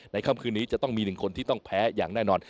ค่ำคืนนี้จะต้องมี๑คนที่ต้องแพ้อย่างแน่นอน